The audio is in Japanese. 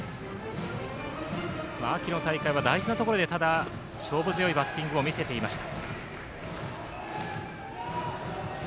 秋の大会は大事なところで勝負強いバッティングを見せていました。